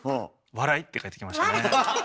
「笑」って返ってきましたね。